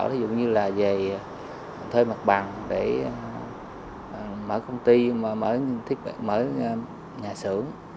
ví dụ như là về thuê mặt bằng để mở công ty mở nhà xưởng